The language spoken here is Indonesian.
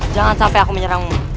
jangan sampai aku menyerangmu